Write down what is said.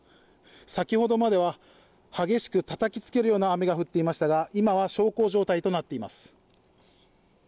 先ほどまでは激しくたたきつけるような雨が降っていましたが今は小康状態となっています。